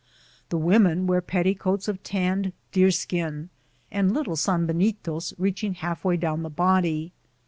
The women wear petticoats of tanned deerskin, and little san benitos reaching half way down the body.